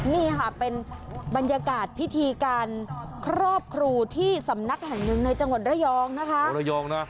นี่ค่ะเป็นบรรยากาศพิธีการครอบครูที่สำนักแห่งหนึ่งในจังหวัดระยองนะคะระยองนะ